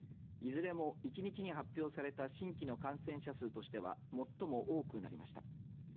いずれも１日に発表された新規の感染者数としては最も多くなりました。